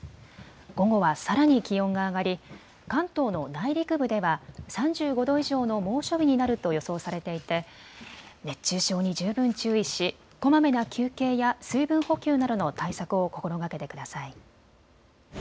午後はさらに気温が上がり関東の内陸部では３５度以上の猛暑日になると予想されていて熱中症に十分注意しこまめな休憩や水分補給などの対策を心がけてください。